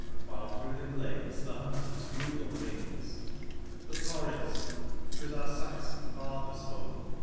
While through the glades the hunter's bugle rings. The forest ! 't was our Saxon fathers' home.